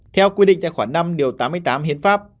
theo quy định tại khoảng năm tám mươi tám hiến pháp